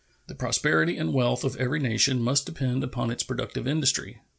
The prosperity and wealth of every nation must depend upon its productive industry.